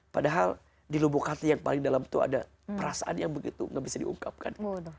padahal di lubuk hati yang paling dalam itu ada perasaan yang begitu gak bisa diungkapkan